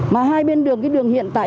mà hai bên đường cái đường hiện tại